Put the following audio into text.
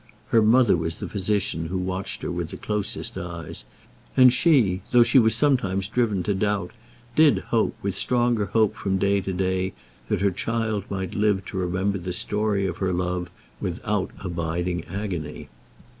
Her mother was the physician who watched her with the closest eyes; and she, though she was sometimes driven to doubt, did hope, with stronger hope from day to day, that her child might live to remember the story of her love without abiding agony.